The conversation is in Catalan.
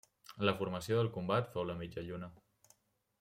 La formació del combat fou la mitja lluna.